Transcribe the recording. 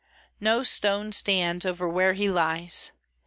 No stone stands over where he lies.